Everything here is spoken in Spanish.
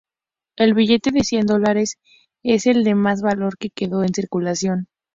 El billete de cien dólares es el de más valor que quedó en circulación.